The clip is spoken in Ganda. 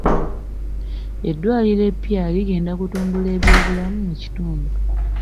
Eddwaliro eppya ligenda kutumbula ebyobulamu mu kitundu.